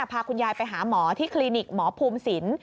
พาคุณยายไปหาหมอที่คลินิกหมอภูมิศิลป